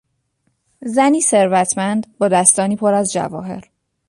زنی ثروتمند با دستانی پر از جواهر